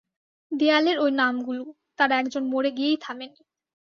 দেয়ালের ঐ নামগুলো, তারা একজন মরে গিয়েই থামেনি।